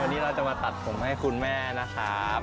วันนี้เราจะมาตัดผมให้คุณแม่นะครับ